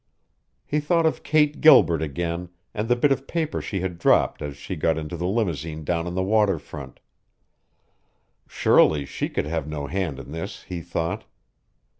He thought of Kate Gilbert again, and the bit of paper she had dropped as she got into the limousine down on the water front. Surely she could have no hand in this, he thought.